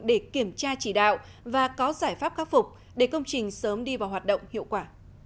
để kiểm tra chỉ đạo và có giải pháp khắc phục để công trình sớm đi vào hoạt động hiệu quả